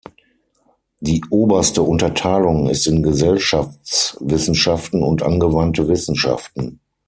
Die oberste Unterteilung ist in Gesellschaftswissenschaften und angewandte Wissenschaften.